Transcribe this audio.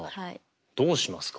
どうしますか？